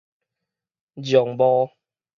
絨帽